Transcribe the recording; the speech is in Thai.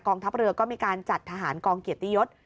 ทัพเรือก็มีการจัดทหารกองเกียรติยศ